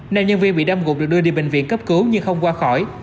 nên nhân viên bị đâm gục được đưa đi bệnh viện cấp cứu nhưng không qua khỏi